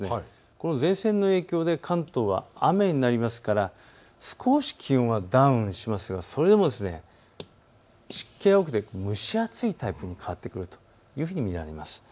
この前線の影響で関東は雨になりますから少し気温はダウンしますがそれでも湿気が多くて蒸し暑いタイプに変わってくるというふうに見られます。